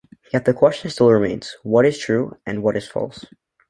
Yet the question still remains: What is true, and what is false?